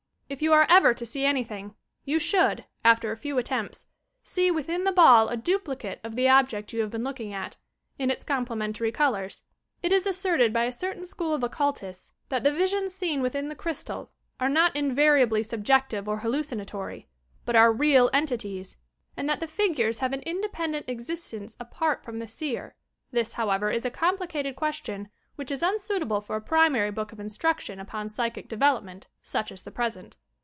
If you are ever to see anything you should, after a few attempts, see within the ball a dupli cate of the object you have been looking at, in its com plementary colours. It is asseried by a certain school of occultists that the visions seen within the crystal are not invariably sub jective or hallucinatory, but are real entities, and that the figures have an independent existence apart from the seer. This, however, is a complicated question which is unsuitable for a primary book of instruction upon psychic development such as the present.